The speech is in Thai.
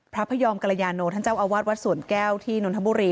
พระพยอมกรยาโนท่านเจ้าอาวาสวัดสวนแก้วที่นนทบุรี